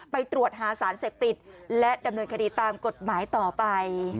ไปตรวจหาสารเสพติดและดำเนินคดีตามกฎหมายต่อไป